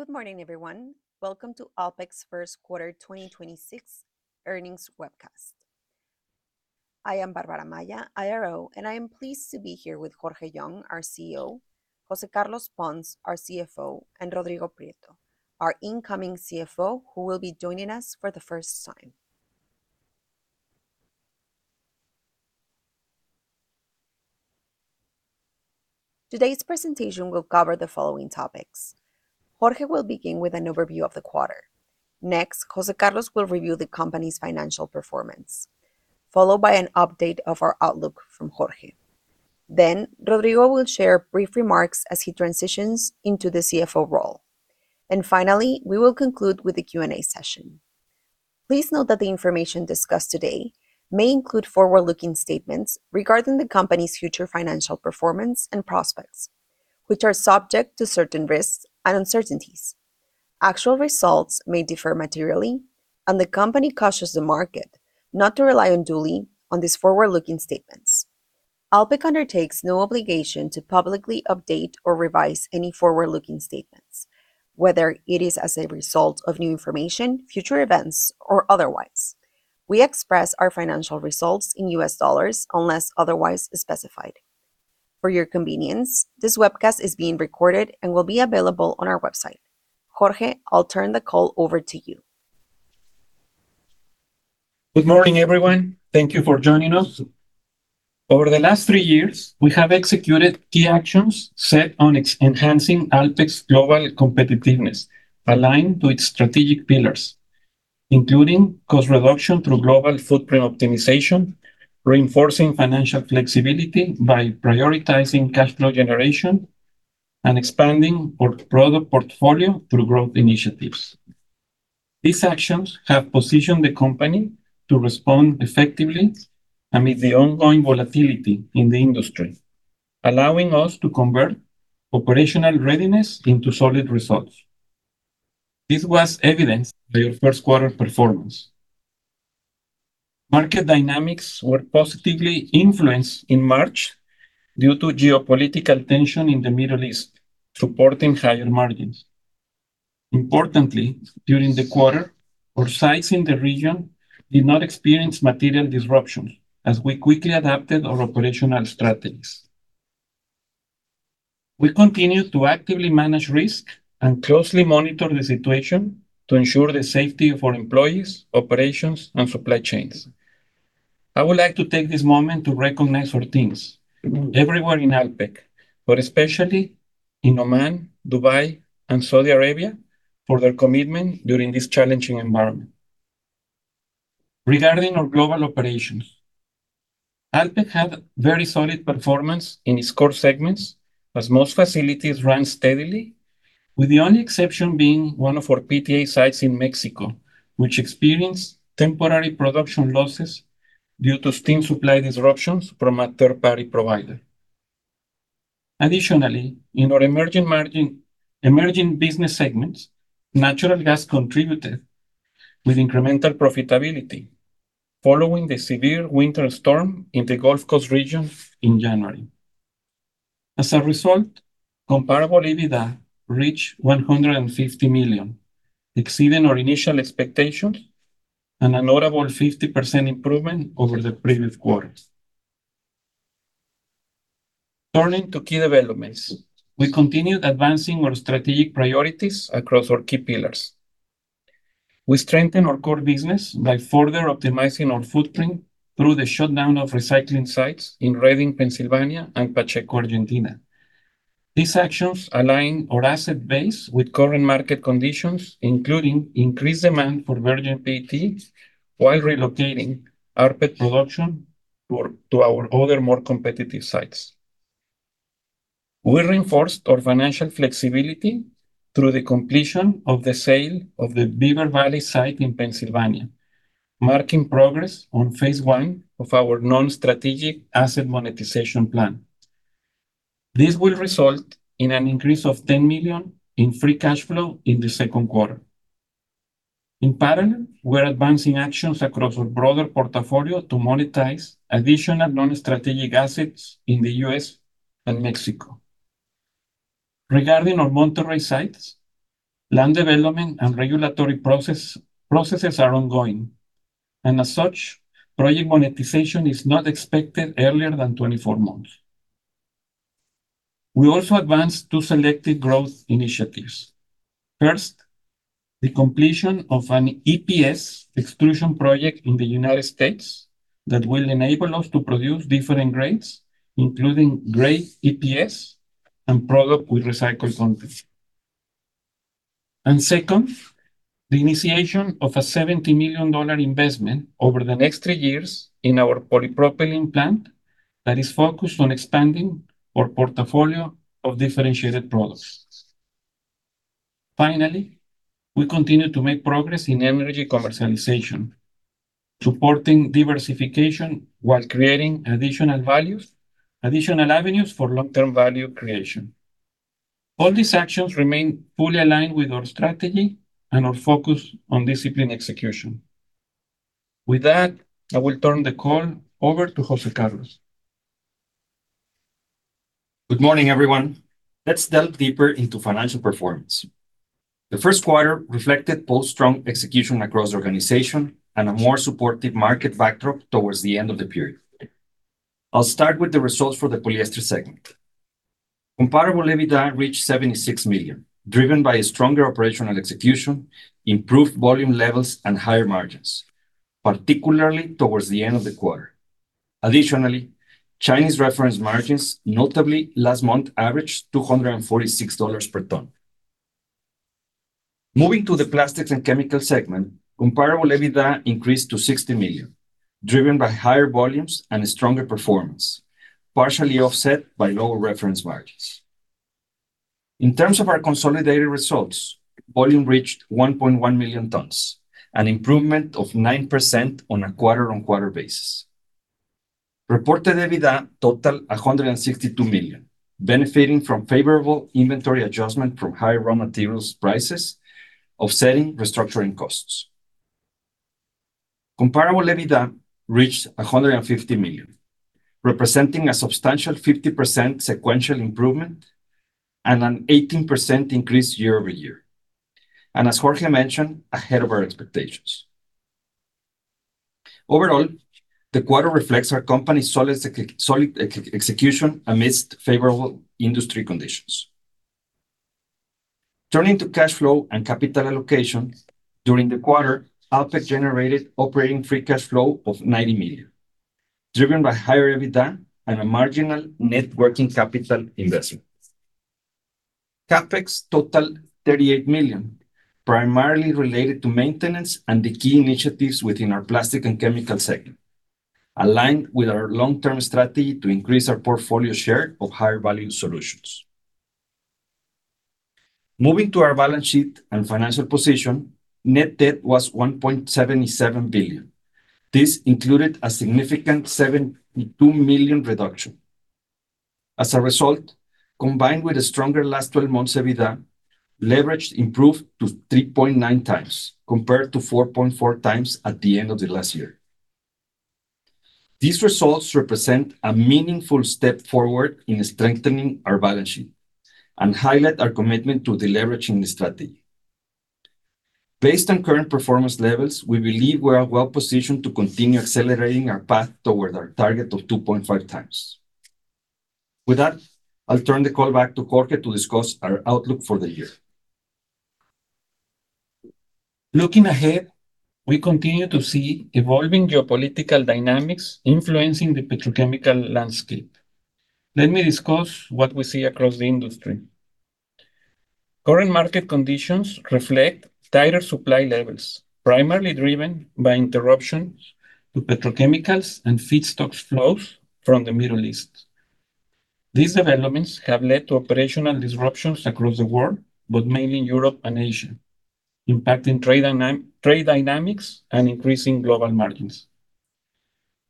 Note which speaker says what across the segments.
Speaker 1: Good morning, everyone. Welcome to Alpek's first quarter 2026 earnings webcast. I am Bárbara Amaya, IRO, and I am pleased to be here with Jorge Young, our CEO, José Carlos Pons, our CFO, and Rodrigo Prieto, our incoming CFO, who will be joining us for the first time. Today's presentation will cover the following topics. Jorge will begin with an overview of the quarter. Next, José Carlos will review the company's financial performance, followed by an update of our outlook from Jorge. Then Rodrigo will share brief remarks as he transitions into the CFO role. Finally, we will conclude with the Q&A session. Please note that the information discussed today may include forward-looking statements regarding the company's future financial performance and prospects, which are subject to certain risks and uncertainties. Actual results may differ materially, and the company cautions the market not to rely unduly on these forward-looking statements. Alpek undertakes no obligation to publicly update or revise any forward-looking statements, whether it is as a result of new information, future events, or otherwise. We express our financial results in U.S. dollars unless otherwise specified. For your convenience, this webcast is being recorded and will be available on our website. Jorge, I'll turn the call over to you.
Speaker 2: Good morning, everyone. Thank you for joining us. Over the last three years, we have executed key actions set on enhancing Alpek's global competitiveness aligned to its strategic pillars, including cost reduction through global footprint optimization, reinforcing financial flexibility by prioritizing cash flow generation, and expanding our product portfolio through growth initiatives. These actions have positioned the company to respond effectively amid the ongoing volatility in the industry, allowing us to convert operational readiness into solid results. This was evidenced by our first quarter performance. Market dynamics were positively influenced in March due to geopolitical tension in the Middle East, supporting higher margins. Importantly, during the quarter, our sites in the region did not experience material disruptions as we quickly adapted our operational strategies. We continue to actively manage risk and closely monitor the situation to ensure the safety of our employees, operations, and supply chains. I would like to take this moment to recognize our teams everywhere in Alpek, but especially in Oman, Dubai, and Saudi Arabia for their commitment during this challenging environment. Regarding our global operations, Alpek had very solid performance in its core segments as most facilities ran steadily, with the only exception being one of our PTA sites in Mexico, which experienced temporary production losses due to steam supply disruptions from a third-party provider. Additionally, in our emerging business segments, natural gas contributed with incremental profitability following the severe winter storm in the Gulf Coast region in January. As a result, comparable EBITDA reached $150 million, exceeding our initial expectations and a notable 50% improvement over the previous quarter. Turning to key developments, we continued advancing our strategic priorities across our key pillars. We strengthened our core business by further optimizing our footprint through the shutdown of recycling sites in Reading, Pennsylvania and Pacheco, Argentina. These actions align our asset base with current market conditions, including increased demand for virgin PET, while relocating our PET production to our other more competitive sites. We reinforced our financial flexibility through the completion of the sale of the Beaver Valley site in Pennsylvania, marking progress on phase I of our non-strategic asset monetization plan. This will result in an increase of $10 million in free cash flow in the second quarter. In parallel, we're advancing actions across our broader portfolio to monetize additional non-strategic assets in the U.S. and Mexico. Regarding our Monterrey sites, land development and regulatory processes are ongoing, and as such, project monetization is not expected earlier than 24 months. We also advanced two selected growth initiatives. First, the completion of an EPS extrusion project in the United States that will enable us to produce different grades, including gray EPS and product with recycled content. Second, the initiation of a $70 million investment over the next three years in our polypropylene plant that is focused on expanding our portfolio of differentiated products. Finally, we continue to make progress in energy commercialization, supporting diversification while creating additional avenues for long-term value creation. All these actions remain fully aligned with our strategy and our focus on disciplined execution. With that, I will turn the call over to José Carlos.
Speaker 3: Good morning, everyone. Let's delve deeper into financial performance. The first quarter reflected both strong execution across the organization and a more supportive market backdrop towards the end of the period. I'll start with the results for the polyester segment. Comparable EBITDA reached $76 million, driven by a stronger operational execution, improved volume levels, and higher margins, particularly towards the end of the quarter. Additionally, Chinese reference margins, notably last month, averaged $246 per ton. Moving to the plastics and chemicals segment, comparable EBITDA increased to $60 million, driven by higher volumes and a stronger performance, partially offset by lower reference margins. In terms of our consolidated results, volume reached 1.1 million tons, an improvement of 9% on a quarter-over-quarter basis. Reported EBITDA totaled $162 million, benefiting from favorable inventory adjustment from high raw materials prices, offsetting restructuring costs. Comparable EBITDA reached $150 million, representing a substantial 50% sequential improvement and an 18% increase year-over-year. As Jorge mentioned, ahead of our expectations. Overall, the quarter reflects our company's solid execution amidst favorable industry conditions. Turning to cash flow and capital allocation, during the quarter, Alpek generated operating free cash flow of $90 million, driven by higher EBITDA and a marginal net working capital investment. CapEx totaled $38 million, primarily related to maintenance and the key initiatives within our plastics and chemicals segment, aligned with our long-term strategy to increase our portfolio share of higher-value solutions. Moving to our balance sheet and financial position, net debt was $1.77 billion. This included a significant $7.2 million reduction. As a result, combined with a stronger last 12 months EBITDA, leverage improved to 3.9x compared to 4.4x at the end of the last year. These results represent a meaningful step forward in strengthening our balance sheet and highlight our commitment to deleveraging the strategy. Based on current performance levels, we believe we are well-positioned to continue accelerating our path toward our target of 2.5x. With that, I'll turn the call back to Jorge to discuss our outlook for the year.
Speaker 2: Looking ahead, we continue to see evolving geopolitical dynamics influencing the petrochemical landscape. Let me discuss what we see across the industry. Current market conditions reflect tighter supply levels, primarily driven by interruptions to petrochemicals and feedstock flows from the Middle East. These developments have led to operational disruptions across the world, but mainly in Europe and Asia, impacting trade dynamics and increasing global margins.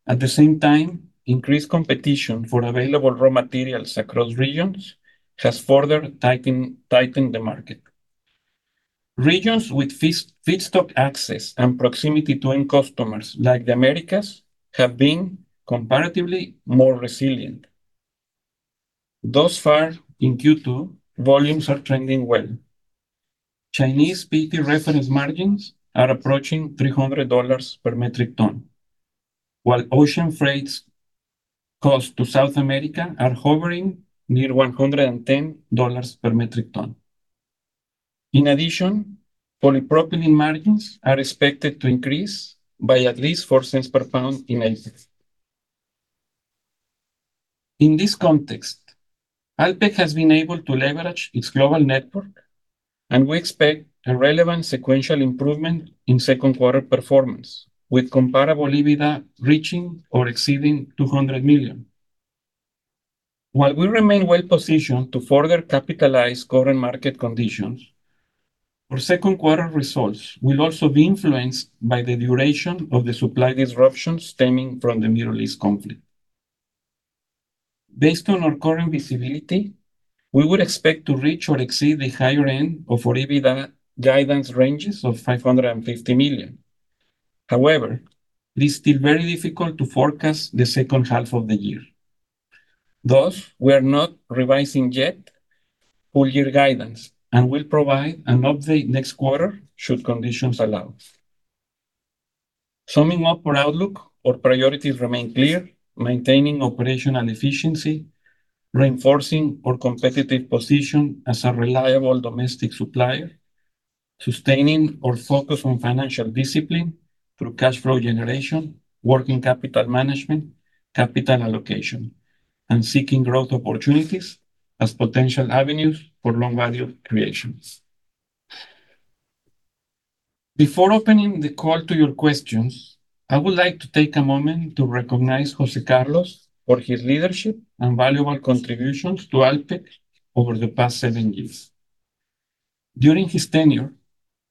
Speaker 2: At the same time, increased competition for available raw materials across regions has further tightened the market. Regions with feedstock access and proximity to end customers, like the Americas, have been comparatively more resilient. Thus far in Q2, volumes are trending well. Chinese PTA reference margins are approaching $300 per metric ton, while ocean freight costs to South America are hovering near $110 per metric ton. In addition, polypropylene margins are expected to increase by at least four cents per pound in April. In this context, Alpek has been able to leverage its global network, and we expect a relevant sequential improvement in second quarter performance, with comparable EBITDA reaching or exceeding $200 million. While we remain well-positioned to further capitalize current market conditions, our second quarter results will also be influenced by the duration of the supply disruptions stemming from the Middle East conflict. Based on our current visibility, we would expect to reach or exceed the higher end of our EBITDA guidance ranges of $550 million. However, it is still very difficult to forecast the second half of the year. Thus, we are not yet revising full-year guidance and will provide an update next quarter should conditions allow. Summing up our outlook, our priorities remain clear, maintaining operational efficiency, reinforcing our competitive position as a reliable domestic supplier, sustaining our focus on financial discipline through cash flow generation, working capital management, capital allocation, and seeking growth opportunities as potential avenues for long-term value creation. Before opening the call to your questions, I would like to take a moment to recognize José Carlos for his leadership and valuable contributions to Alpek over the past seven years. During his tenure,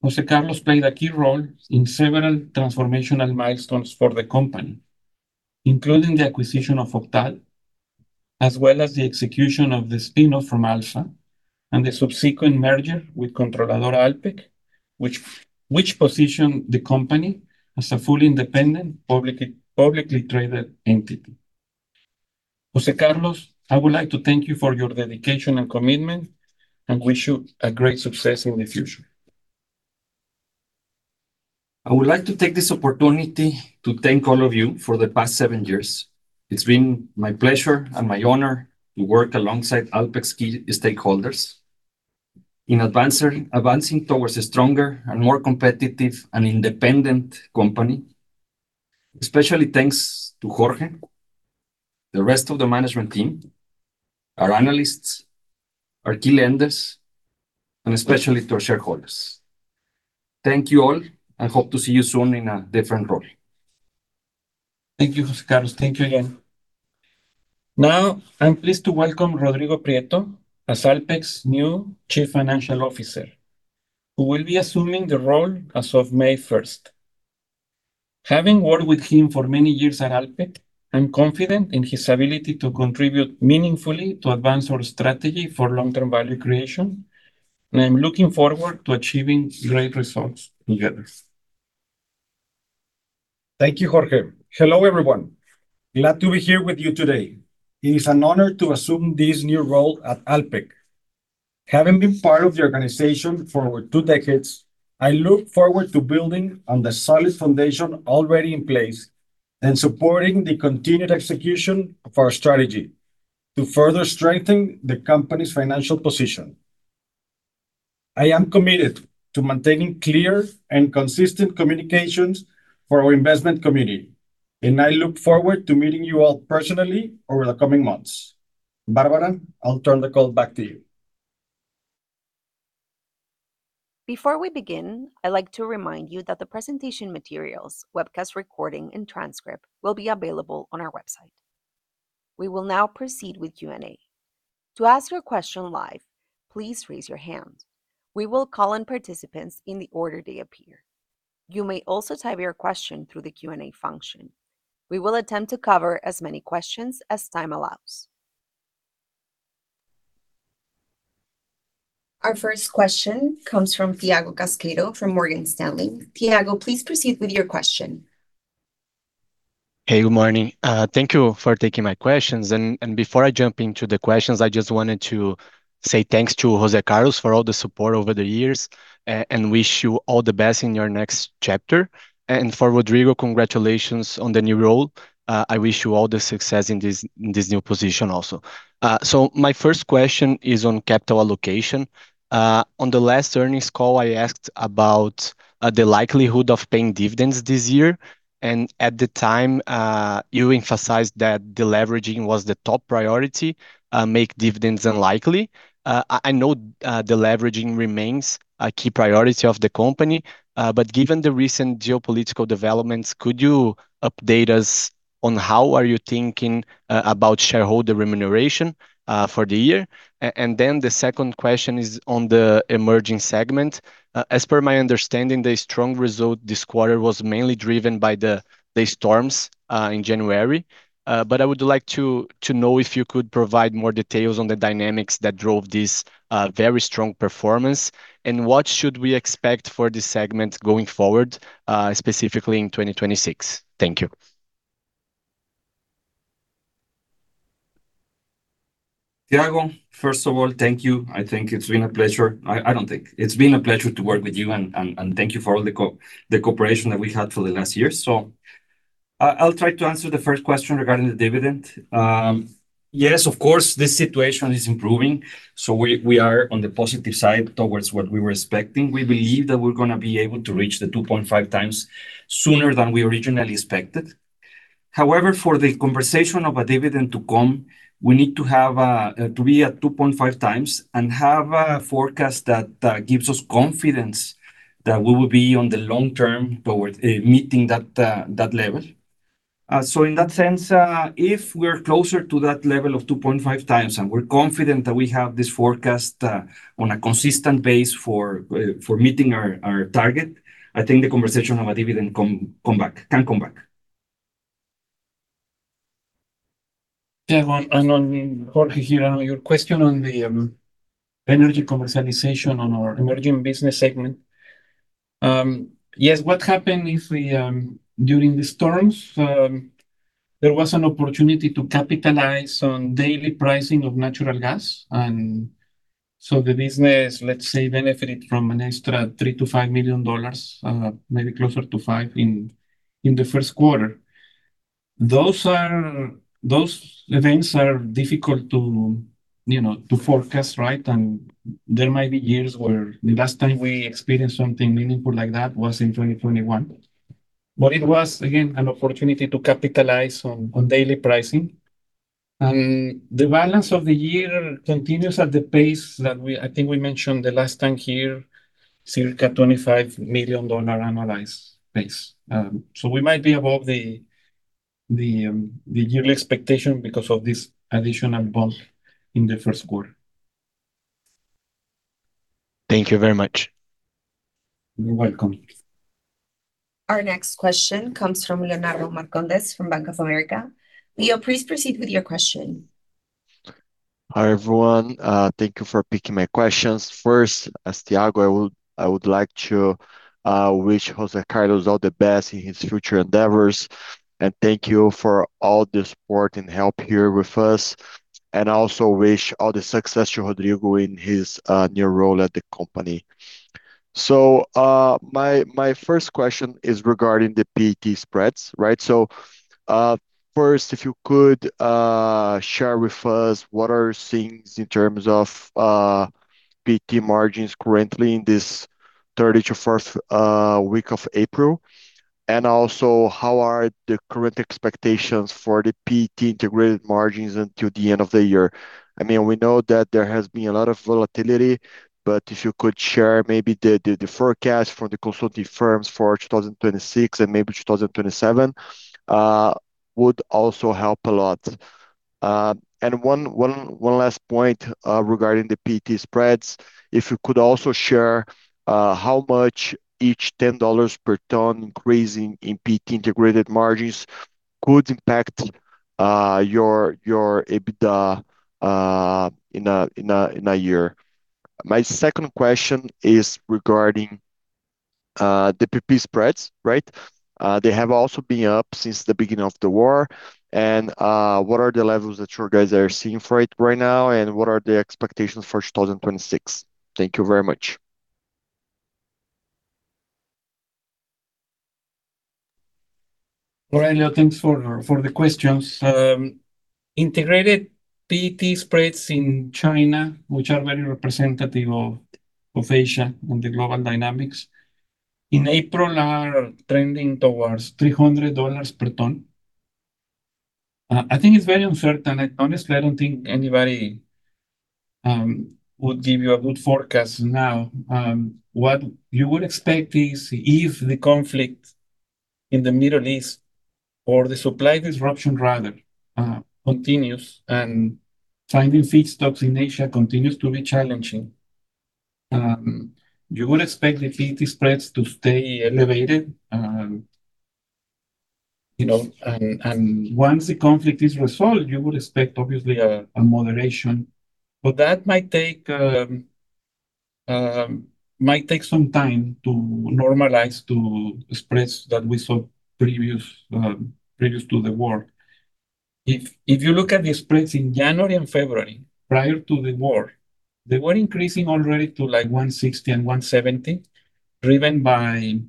Speaker 2: José Carlos played a key role in several transformational milestones for the company, including the acquisition of Octal, as well as the execution of the spin-off from Alfa. The subsequent merger with Controladora Alpek, which positioned the company as a fully independent, publicly traded entity. José Carlos, I would like to thank you for your dedication and commitment, and wish you a great success in the future.
Speaker 3: I would like to take this opportunity to thank all of you for the past seven years. It's been my pleasure and my honor to work alongside Alpek's key stakeholders in advancing towards a stronger and more competitive and independent company. Especially thanks to Jorge, the rest of the management team, our analysts, our key lenders, and especially to our shareholders. Thank you all, and hope to see you soon in a different role.
Speaker 2: Thank you, José Carlos. Thank you again. Now, I'm pleased to welcome Rodrigo Prieto as Alpek's new Chief Financial Officer, who will be assuming the role as of May 1st. Having worked with him for many years at Alpek, I'm confident in his ability to contribute meaningfully to advance our strategy for long-term value creation, and I'm looking forward to achieving great results together.
Speaker 4: Thank you, Jorge. Hello, everyone. Glad to be here with you today. It is an honor to assume this new role at Alpek. Having been part of the organization for over two decades, I look forward to building on the solid foundation already in place, and supporting the continued execution of our strategy to further strengthen the company's financial position. I am committed to maintaining clear and consistent communications for our investment community, and I look forward to meeting you all personally over the coming months. Bárbara, I'll turn the call back to you.
Speaker 1: Before we begin, I'd like to remind you that the presentation materials, webcast recording, and transcript will be available on our website. We will now proceed with Q&A. To ask your question live, please raise your hand. We will call on participants in the order they appear. You may also type your question through the Q&A function. We will attempt to cover as many questions as time allows. Our first question comes from Thiago Casqueiro from Morgan Stanley. Thiago, please proceed with your question.
Speaker 5: Hey, good morning. Thank you for taking my questions. Before I jump into the questions, I just wanted to say thanks to José Carlos for all the support over the years, and wish you all the best in your next chapter. For Rodrigo, congratulations on the new role. I wish you all the success in this new position also. My first question is on capital allocation. On the last earnings call, I asked about the likelihood of paying dividends this year, and at the time, you emphasized that deleveraging was the top priority, making dividends unlikely. I know deleveraging remains a key priority of the company. Given the recent geopolitical developments, could you update us on how are you thinking about shareholder remuneration for the year? Then the second question is on the emerging segment. As per my understanding, the strong result this quarter was mainly driven by the storms in January. I would like to know if you could provide more details on the dynamics that drove this very strong performance, and what should we expect for this segment going forward, specifically in 2026. Thank you.
Speaker 3: Thiago, first of all, thank you. It's been a pleasure to work with you, and thank you for all the cooperation that we had for the last year. I'll try to answer the first question regarding the dividend. Yes, of course, this situation is improving, so we are on the positive side towards what we were expecting. We believe that we're going to be able to reach the 2.5x sooner than we originally expected. However, for the consideration of a dividend to come, we need to be at 2.5x and have a forecast that gives us confidence that we will be in the long term towards meeting that level. In that sense, if we're closer to that level of 2.5x, and we're confident that we have this forecast on a consistent basis for meeting our target, I think the conversation of a dividend can come back.
Speaker 2: Thiago, Jorge here on your question on the energy commercialization on our emerging business segment. Yes, what happened is during the storms, there was an opportunity to capitalize on daily pricing of natural gas. The business, let's say, benefited from an extra $3 million-$5 million, maybe closer to $5 million in the first quarter. Those events are difficult to forecast, right? There might be years where the last time we experienced something meaningful like that was in 2021. It was, again, an opportunity to capitalize on daily pricing. The balance of the year continues at the pace that I think we mentioned the last time here, circa $25 million annualized pace. We might be above the yearly expectation because of this additional bump in the first quarter.
Speaker 5: Thank you very much.
Speaker 2: You're welcome.
Speaker 1: Our next question comes from Leonardo Marcondes from Bank of America. Leo, please proceed with your question.
Speaker 6: Hi, everyone. Thank you for taking my questions. First, it's Thiago. I would like to wish José Carlos all the best in his future endeavors, and thank you for all the support and help here with us, and also wish all the success to Rodrigo in his new role at the company. My first question is regarding the PET spreads, right? First, if you could share with us what are your thoughts in terms of PET margins currently in this third to first week of April, and also how are the current expectations for the PET integrated margins until the end of the year? We know that there has been a lot of volatility, but if you could share maybe the forecast for the consulting firms for 2026 and maybe 2027, would also help a lot. One last point regarding the PET spreads, if you could also share how much each $10 per ton increase in PET integrated margins could impact your EBITDA in a year. My second question is regarding the PP spreads, right? They have also been up since the beginning of the war. What are the levels that you guys are seeing for it right now, and what are the expectations for 2026? Thank you very much.
Speaker 2: Leonardo, thanks for the questions. Integrated PET spreads in China, which are very representative of Asia and the global dynamics, in April are trending towards $300 per ton. I think it's very uncertain. Honestly, I don't think anybody would give you a good forecast now. What you would expect is if the conflict in the Middle East, or the supply disruption rather, continues and finding feedstocks in Asia continues to be challenging, you would expect the PET spreads to stay elevated. Once the conflict is resolved, you would expect obviously a moderation, but that might take some time to normalize to spreads that we saw previous to the war. If you look at the spreads in January and February, prior to the war, they were increasing already to $160 and $170, driven by,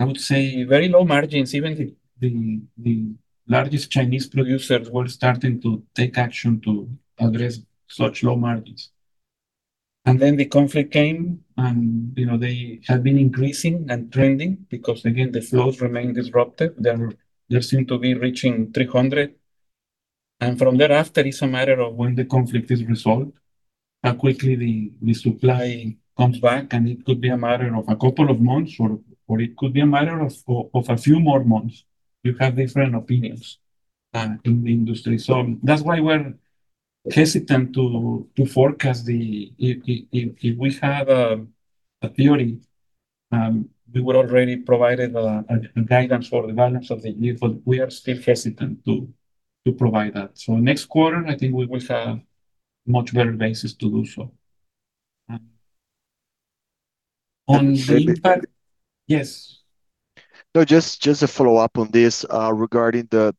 Speaker 2: I would say, very low margins. Even the largest Chinese producers were starting to take action to address such low margins. Then the conflict came and they have been increasing and trending because, again, the flows remain disrupted. They seem to be reaching 300, and from thereafter, it's a matter of when the conflict is resolved, how quickly the supply comes back, and it could be a matter of a couple of months, or it could be a matter of a few more months. You have different opinions in the industry. That's why we're hesitant to forecast. If we have a theory, we would already provided a guidance for the balance of the year, but we are still hesitant to provide that. Next quarter, I think we will have much better basis to do so. On the impact. Yes.
Speaker 6: No, just a follow-up on this. Regarding the,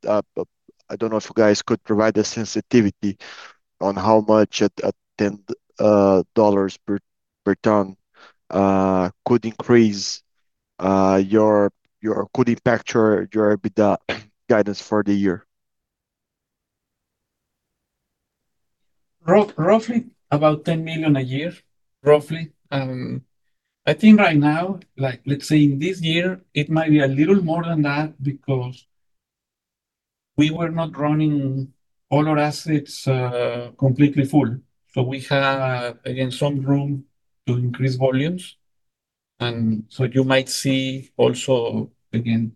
Speaker 6: I don't know if you guys could provide a sensitivity on how much at $10 per ton could impact your EBITDA guidance for the year.
Speaker 2: Roughly about $10 million a year, roughly. I think right now, let's say in this year, it might be a little more than that because we were not running all our assets completely full. We have, again, some room to increase volumes. You might see also, again,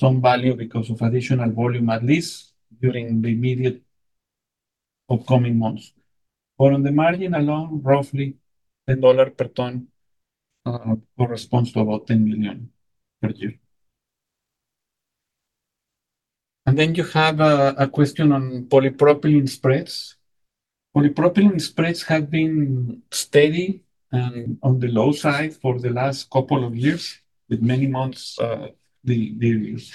Speaker 2: some value because of additional volume, at least during the immediate upcoming months. On the margin alone, roughly $10 per ton corresponds to about $10 million per year. Then you have a question on polypropylene spreads. Polypropylene spreads have been steady and on the low side for the last couple of years, with many months of decrease.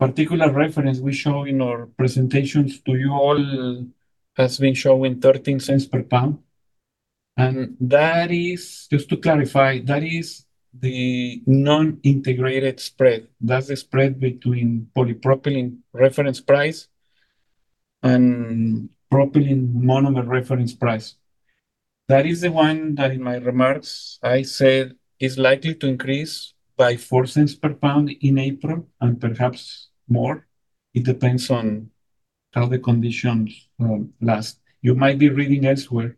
Speaker 2: The particular reference we show in our presentations to you all has been showing $0.13 per pound. Just to clarify, that is the non-integrated spread. That's the spread between polypropylene reference price and propylene monomer reference price. That is the one that in my remarks I said is likely to increase by $0.04 per pound in April, and perhaps more. It depends on how the conditions last. You might be reading elsewhere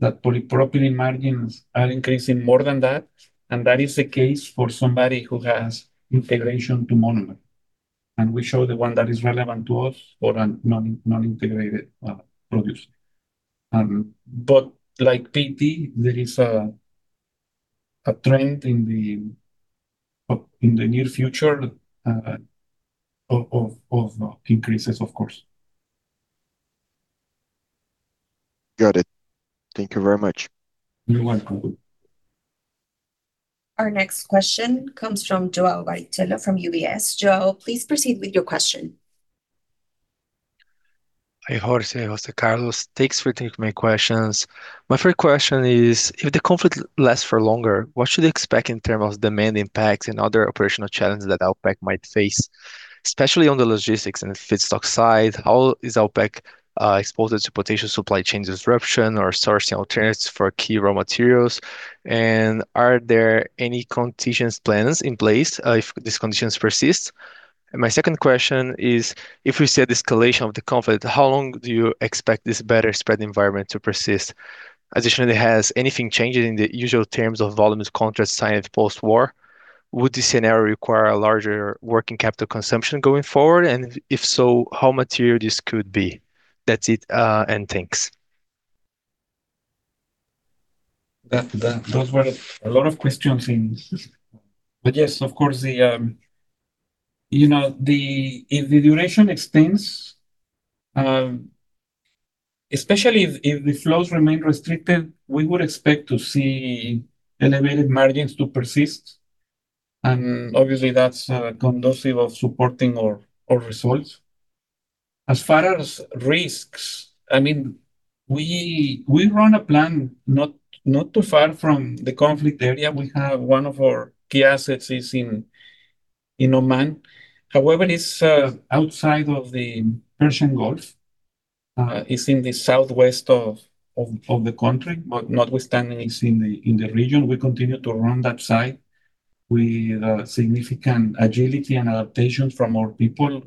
Speaker 2: that polypropylene margins are increasing more than that, and that is the case for somebody who has integration to monomer. We show the one that is relevant to us for a non-integrated producer. Like PTA, there is a trend in the near future of increases, of course.
Speaker 6: Got it. Thank you very much.
Speaker 2: You're welcome.
Speaker 1: Our next question comes from João Barichello from UBS. João, please proceed with your question.
Speaker 7: Hi, Jorge, José Carlos. Thanks for taking my questions. My first question is, if the conflict lasts for longer, what should we expect in terms of demand impacts and other operational challenges that Alpek might face, especially on the logistics and the feedstock side? How is Alpek exposed to potential supply chain disruption or sourcing alternatives for key raw materials? Are there any contingency plans in place if these conditions persist? My second question is, if we see the escalation of the conflict, how long do you expect this better spread environment to persist? Additionally, has anything changed in the usual terms of volumes, contracts signed post-war? Would this scenario require a larger working capital consumption going forward? And if so, how material this could be? That's it, and thanks.
Speaker 2: Those were a lot of questions. Yes, of course, if the duration extends, especially if the flows remain restricted, we would expect to see elevated margins to persist, and obviously that's conducive of supporting our results. As far as risks, we run a plant not too far from the conflict area. We have one of our key assets is in Oman. However, it's outside of the Persian Gulf. It's in the southwest of the country, but notwithstanding, it's in the region. We continue to run that site with significant agility and adaptation from our people,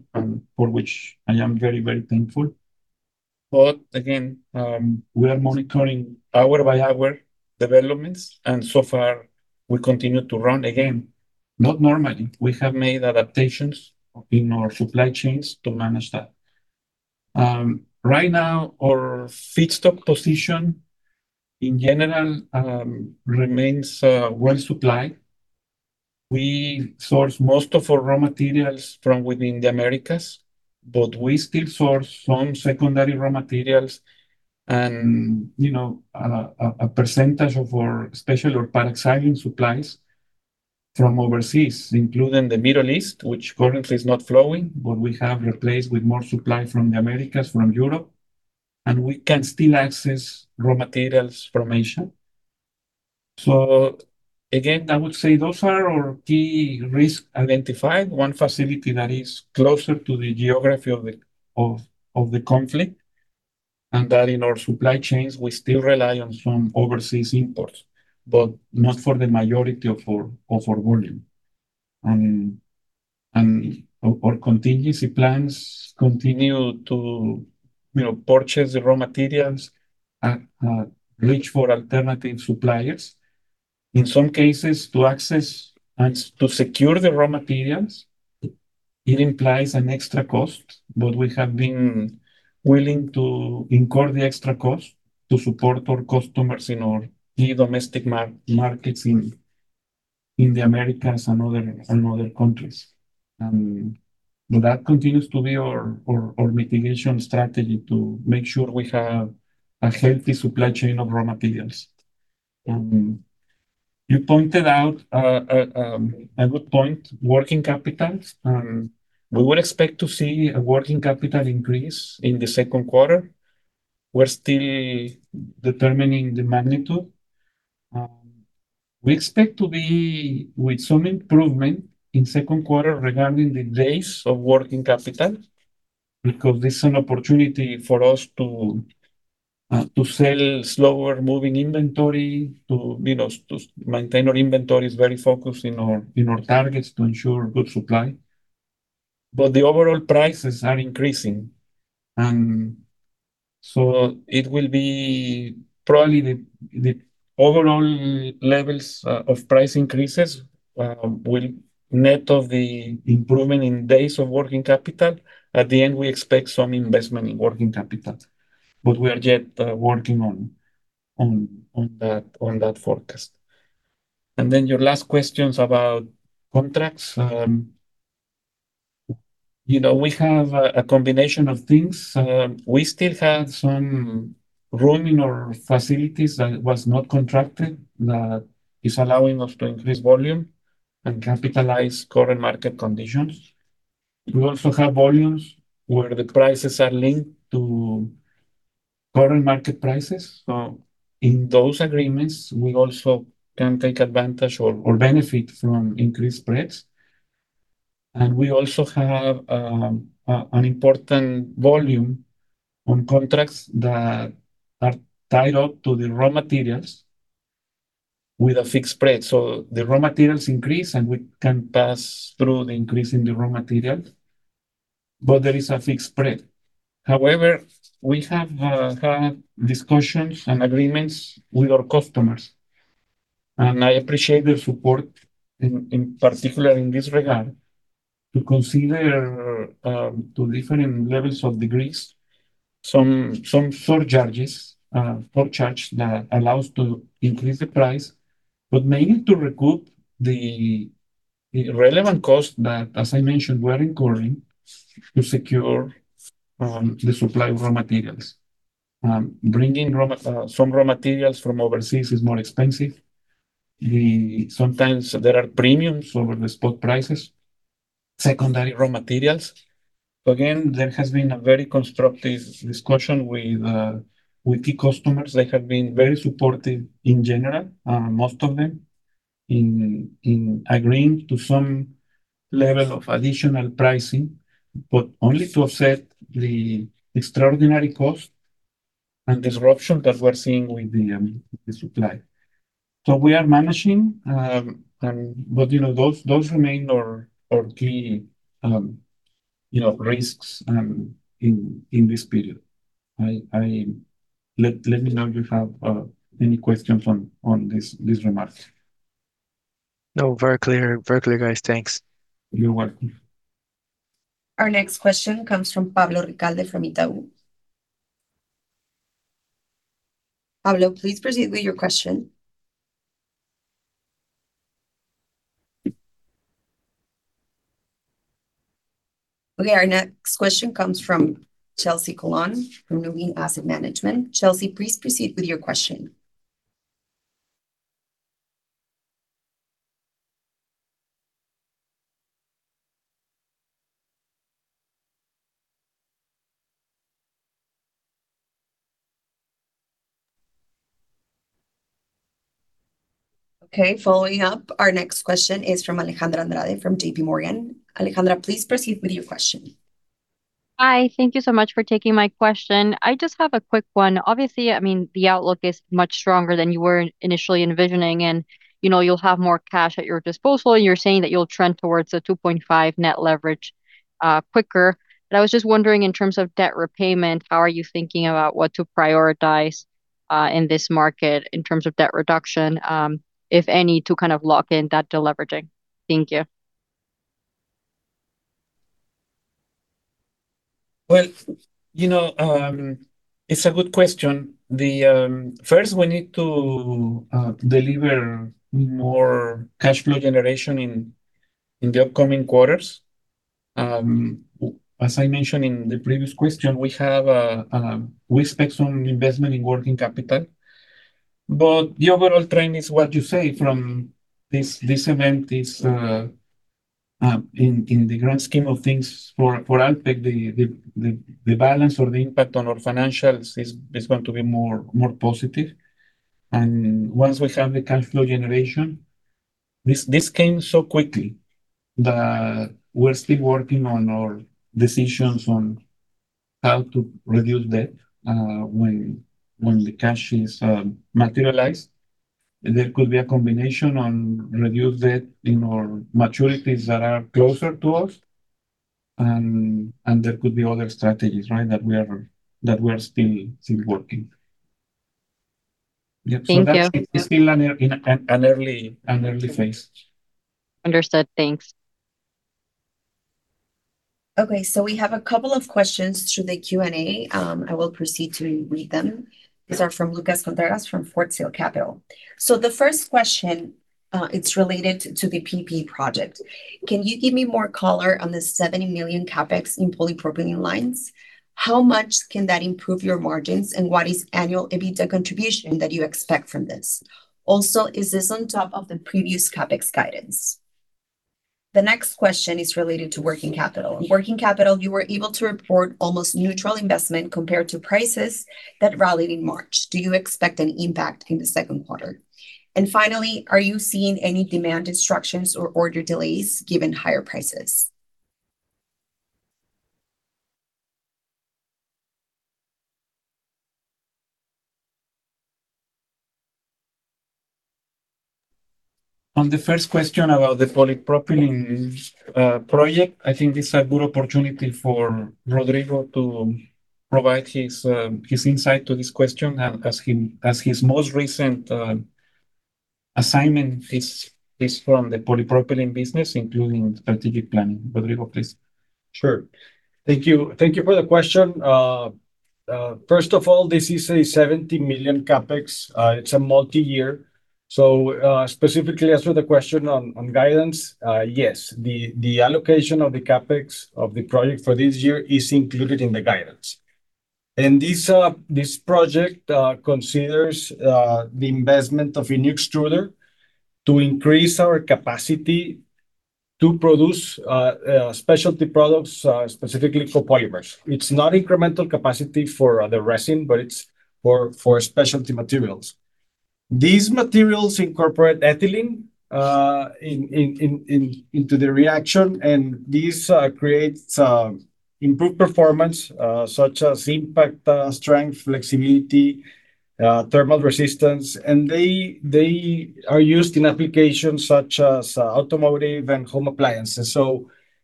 Speaker 2: for which I am very, very thankful. Again, we are monitoring hour by hour developments, and so far we continue to run, again, not normally. We have made adaptations in our supply chains to manage that. Right now, our feedstock position in general remains well supplied. We source most of our raw materials from within the Americas, but we still source some secondary raw materials and a percentage of our special or paraxylene supplies from overseas, including the Middle East, which currently is not flowing, but we have replaced with more supply from the Americas, from Europe, and we can still access raw materials from Asia. Again, I would say those are our key risks identified. One facility that is closer to the geography of the conflict, and that in our supply chains, we still rely on some overseas imports, but not for the majority of our volume. Our contingency plans continue to purchase the raw materials and reach for alternative suppliers. In some cases, to access and to secure the raw materials, it implies an extra cost, but we have been willing to incur the extra cost to support our customers in our key domestic markets in the Americas and other countries. That continues to be our mitigation strategy to make sure we have a healthy supply chain of raw materials. You pointed out a good point, working capital. We would expect to see a working capital increase in the second quarter. We're still determining the magnitude. We expect to be with some improvement in second quarter regarding the days of working capital, because this is an opportunity for us to sell slower moving inventory, to maintain our inventories very focused in our targets to ensure good supply. The overall prices are increasing. It will be probably the overall levels of price increases will net of the improvement in days of working capital. At the end, we expect some investment in working capital. We are yet working on that forecast. Your last questions about contracts. We have a combination of things. We still have some room in our facilities that was not contracted that is allowing us to increase volume and capitalize on current market conditions. We also have volumes where the prices are linked to current market prices. In those agreements, we also can take advantage or benefit from increased spreads. We also have an important volume on contracts that are tied up to the raw materials with a fixed spread. The raw materials increase, and we can pass through the increase in the raw material, but there is a fixed spread. However, we have had discussions and agreements with our customers. I appreciate the support in particular in this regard to consider to different levels or degrees some surcharges, a surcharge that allows to increase the price, but mainly to recoup the relevant cost that, as I mentioned, we're incurring to secure the supply of raw materials. Bringing some raw materials from overseas is more expensive. Sometimes there are premiums over the spot prices, secondary raw materials. Again, there has been a very constructive discussion with key customers. They have been very supportive in general, most of them, in agreeing to some level of additional pricing, but only to offset the extraordinary cost and disruption that we're seeing with the supply. We are managing, but those remain our key risks in this period. Let me know if you have any questions on these remarks.
Speaker 7: No, very clear. Very clear, guys. Thanks.
Speaker 2: You're welcome.
Speaker 1: Our next question comes from Pablo Ricalde, from Itaú. Pablo, please proceed with your question. Okay, our next question comes from Chelsea Colón, from New Age Alpha. Chelsea, please proceed with your question. Okay. Following up, our next question is from Alejandra Andrade from JPMorgan. Alejandra, please proceed with your question.
Speaker 8: Hi. Thank you so much for taking my question. I just have a quick one. Obviously, the outlook is much stronger than you were initially envisioning, and you'll have more cash at your disposal, and you're saying that you'll trend towards a 2.5 net leverage quicker. I was just wondering, in terms of debt repayment, how are you thinking about what to prioritize in this market in terms of debt reduction, if any, to lock in that deleveraging? Thank you.
Speaker 2: Well, it's a good question. First, we need to deliver more cash flow generation in the upcoming quarters. As I mentioned in the previous question, we expect some investment in working capital. The overall trend is what you say from this event is, in the grand scheme of things, for Alpek, the balance or the impact on our financials is going to be more positive. Once we have the cash flow generation, this came so quickly that we're still working on our decisions on how to reduce debt when the cash is materialized. There could be a combination to reduce debt in our maturities that are closer to us, and there could be other strategies that we are still working.
Speaker 8: Thank you.
Speaker 2: That's still in an early phase.
Speaker 8: Understood. Thanks.
Speaker 1: Okay, we have a couple of questions through the Q&A. I will proceed to read them. These are from Lucas Contreras from Fortessa Capital. The first question, it's related to the PP project. Can you give me more color on the $70 million CapEx in polypropylene lines? How much can that improve your margins, and what is annual EBITDA contribution that you expect from this? Also, is this on top of the previous CapEx guidance? The next question is related to working capital. Working capital, you were able to report almost neutral investment compared to prices that rallied in March. Do you expect an impact in the second quarter? Finally, are you seeing any demand disruptions or order delays given higher prices?
Speaker 2: On the first question about the polypropylene project, I think this is a good opportunity for Rodrigo to provide his insight to this question, as his most recent assignment is from the polypropylene business, including strategic planning. Rodrigo, please.
Speaker 4: Sure. Thank you. Thank you for the question. First of all, this is a $70 million CapEx. It's a multi-year. Specifically as for the question on guidance, yes, the allocation of the CapEx of the project for this year is included in the guidance. This project considers the investment of a new extruder to increase our capacity to produce specialty products, specifically for polymers. It's not incremental capacity for the resin, but it's for specialty materials. These materials incorporate ethylene into the reaction, and this creates improved performance, such as impact, strength, flexibility, thermal resistance. They are used in applications such as automotive and home appliances.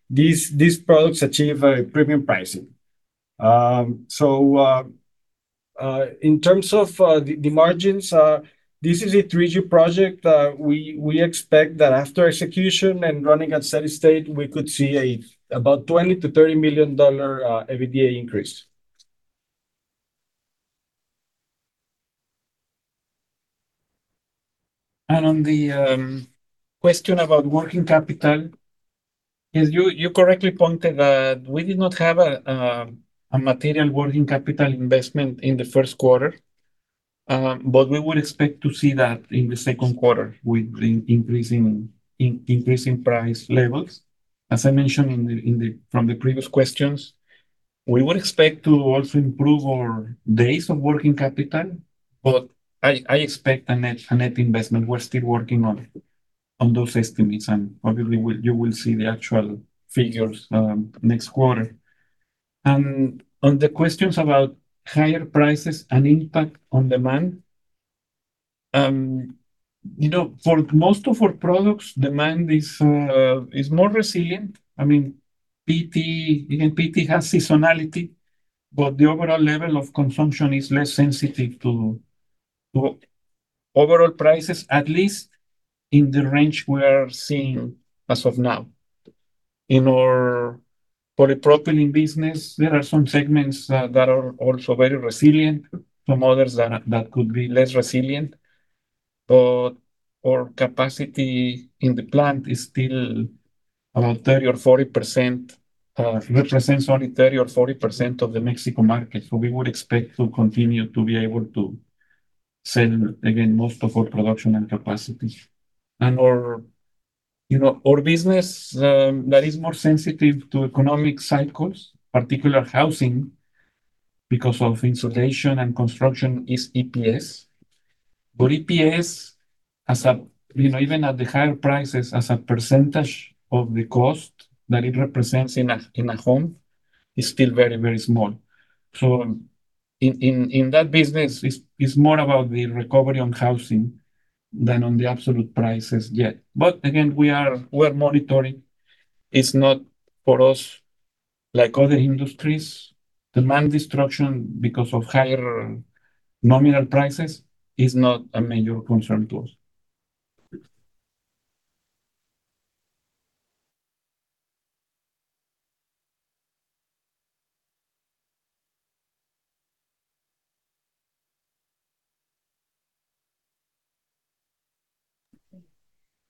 Speaker 4: These products achieve a premium pricing. In terms of the margins, this is a three-year project. We expect that after execution and running at steady state, we could see about $20 million-$30 million EBITDA increase.
Speaker 2: On the question about working capital, yes, you correctly pointed that we did not have a material working capital investment in the first quarter, but we would expect to see that in the second quarter with increasing price levels. As I mentioned from the previous questions, we would expect to also improve our days of working capital, but I expect a net investment. We're still working on those estimates, and probably you will see the actual figures next quarter. On the questions about higher prices and impact on demand, for most of our products, demand is more resilient. I mean, again, PTA has seasonality, but the overall level of consumption is less sensitive to overall prices, at least in the range we are seeing as of now. In our polypropylene business, there are some segments that are also very resilient, some others that could be less resilient. Our capacity in the plant represents only 30% or 40% of the Mexico market, so we would expect to continue to be able to sell, again, most of our production and capacity. Our business that is more sensitive to economic cycles, particularly housing, because of insulation and construction, is EPS. EPS, even at the higher prices, as a percentage of the cost that it represents in a home, is still very small. In that business, it's more about the recovery on housing than on the absolute prices yet. Again, we're monitoring. It's not for us, like other industries, demand destruction because of higher nominal prices is not a major concern to us.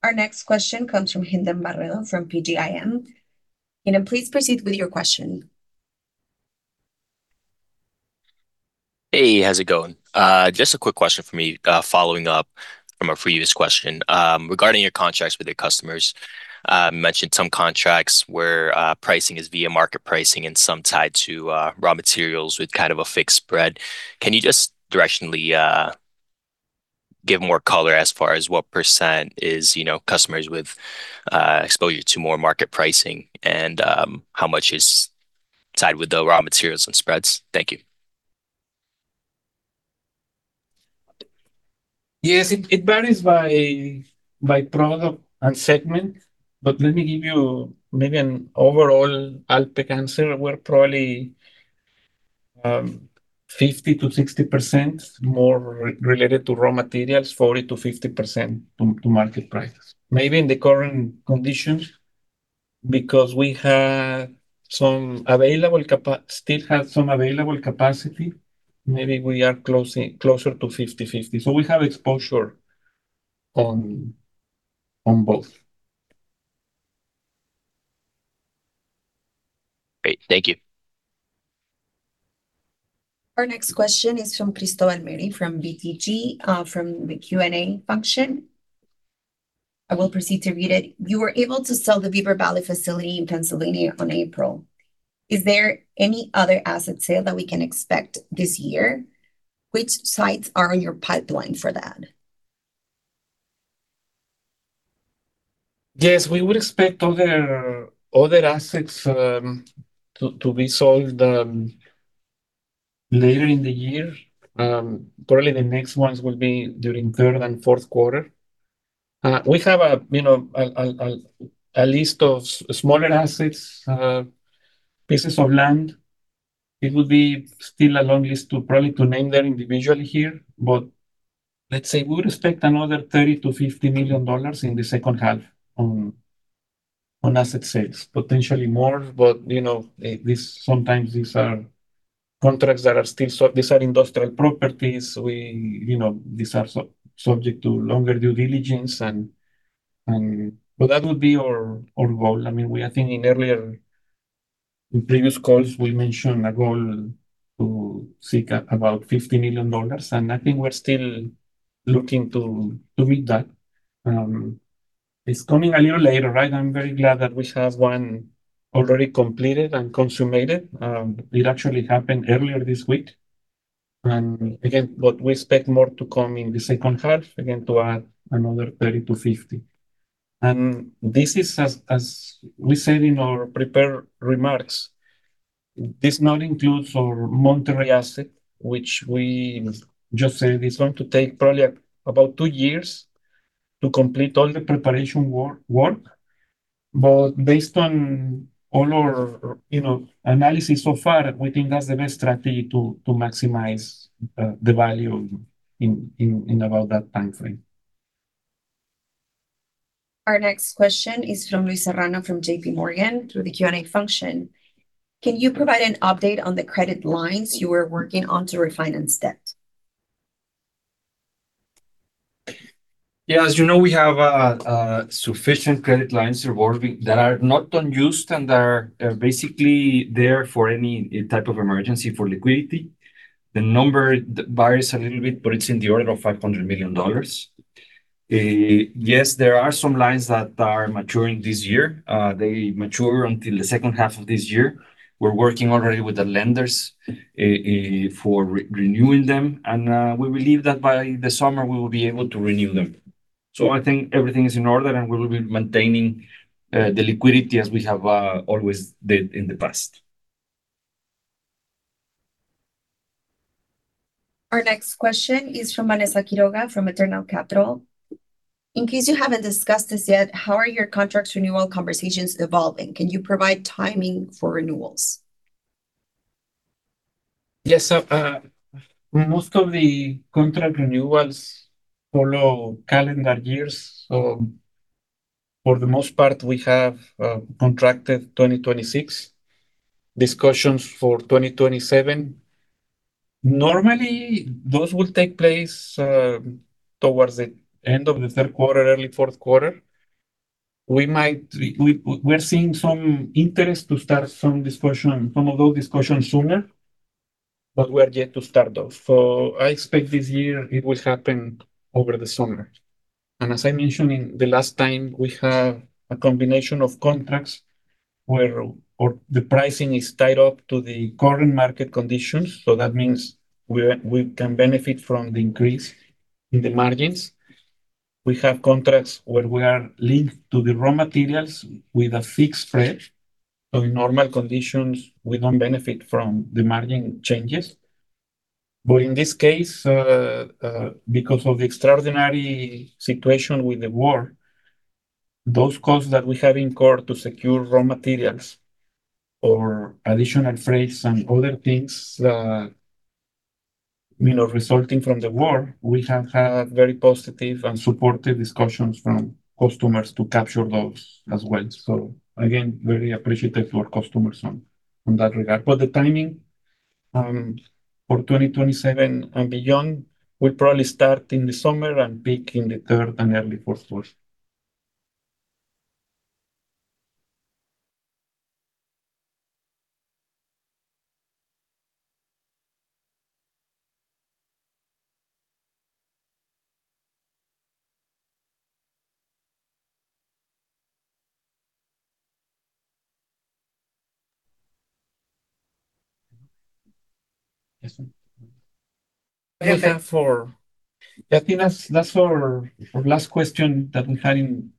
Speaker 1: Our next question comes from Hinden Barredo from PGIM. Hinden, please proceed with your question.
Speaker 9: Hey, how's it going? Just a quick question from me, following up from a previous question. Regarding your contracts with your customers, you mentioned some contracts where pricing is via market pricing and some tied to raw materials with kind of a fixed spread. Can you just directionally give more color as far as what % is customers with exposure to more market pricing and how much is tied with the raw materials and spreads? Thank you.
Speaker 2: Yes. It varies by product and segment, but let me give you maybe an overall Alpek answer. We're probably 50%-60% more related to raw materials, 40%-50% to market prices. Maybe in the current conditions, because we still have some available capacity, maybe we are closer to 50/50. We have exposure on both.
Speaker 9: Great. Thank you.
Speaker 1: Our next question is from Cristian Almeda from BTG, from the Q&A function. I will proceed to read it. You were able to sell the Beaver Valley facility in Pennsylvania on April. Is there any other asset sale that we can expect this year? Which sites are on your pipeline for that?
Speaker 2: Yes, we would expect other assets to be sold later in the year. Probably the next ones will be during third and fourth quarter. We have a list of smaller assets, pieces of land. It would be still a long list probably to name them individually here, but let's say we would expect another $30 million-$50 million in the second half on asset sales. Potentially more, but sometimes these are industrial properties, these are subject to longer due diligence. That would be our goal. I think in previous calls, we mentioned a goal to seek out about $50 million, and I think we're still looking to meet that. It's coming a little later. I'm very glad that we have one already completed and consummated. It actually happened earlier this week, but we expect more to come in the second half, again, to add another 30-50. This is, as we said in our prepared remarks, this does not include our Monterrey asset, which we just said is going to take probably about two years to complete all the preparation work. Based on all our analysis so far, we think that's the best strategy to maximize the value in about that time frame.
Speaker 1: Our next question is from Luis Serrano from JPMorgan through the Q&A function. Can you provide an update on the credit lines you are working on to refinance debt?
Speaker 2: Yeah, as you know, we have sufficient credit lines revolving that are not unused and are basically there for any type of emergency for liquidity. The number varies a little bit, but it's in the order of $500 million. Yes, there are some lines that are maturing this year. They mature until the second half of this year. We're working already with the lenders for renewing them, and we believe that by the summer we will be able to renew them. I think everything is in order, and we will be maintaining the liquidity as we have always did in the past.
Speaker 1: Our next question is from Vanessa Quiroga, from Credit Suisse. In case you haven't discussed this yet, how are your contracts renewal conversations evolving? Can you provide timing for renewals?
Speaker 2: Yes. Most of the contract renewals follow calendar years. For the most part, we have contracted 2026, discussions for 2027. Normally, those will take place towards the end of the third quarter, early fourth quarter. We're seeing some interest to start some of those discussions sooner, but we are yet to start those. I expect this year it will happen over the summer. As I mentioned in the last time, we have a combination of contracts where the pricing is tied up to the current market conditions. That means we can benefit from the increase in the margins. We have contracts where we are linked to the raw materials with a fixed spread. In normal conditions, we don't benefit from the margin changes. In this case, because of the extraordinary situation with the war, those costs that we have incurred to secure raw materials or additional freights and other things resulting from the war, we have had very positive and supportive discussions from customers to capture those as well. Again, very appreciative to our customers in that regard. For the timing for 2027 and beyond, we'll probably start in the summer and peak in the third and early fourth quarter. Yes. I think that's our last question that we had in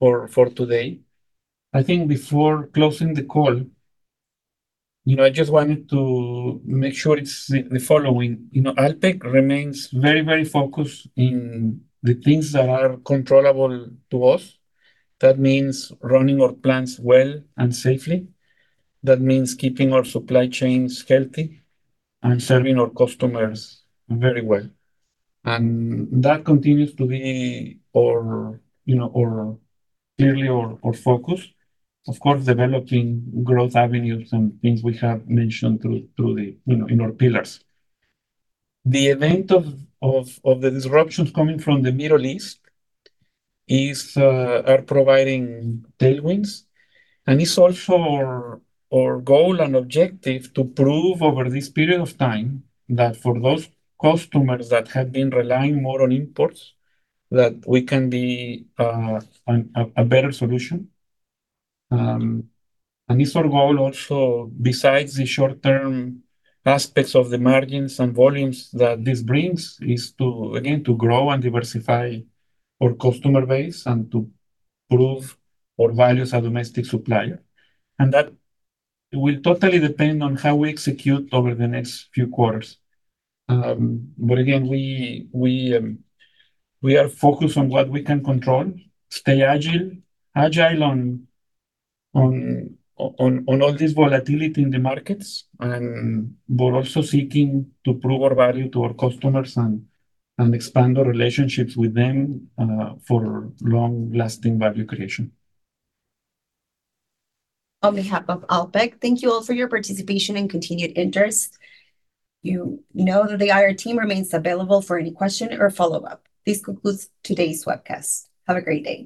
Speaker 2: for today. I think before closing the call, I just wanted to make sure it's the following. Alpek remains very focused on the things that are controllable to us. That means running our plants well and safely. That means keeping our supply chains healthy and serving our customers very well. That continues to be clearly our focus. Of course, developing growth avenues and things we have mentioned in our pillars. The event of the disruptions coming from the Middle East are providing tailwinds, and it's also our goal and objective to prove over this period of time that for those customers that have been relying more on imports, that we can be a better solution. It's our goal also, besides the short-term aspects of the margins and volumes that this brings, is to, again, to grow and diversify our customer base and to prove our value as a domestic supplier. That will totally depend on how we execute over the next few quarters. Again, we are focused on what we can control, stay agile on all this volatility in the markets, but also seeking to prove our value to our customers and expand our relationships with them for long-lasting value creation.
Speaker 1: On behalf of Alpek, thank you all for your participation and continued interest. You know that the IR team remains available for any question or follow-up. This concludes today's webcast. Have a great day.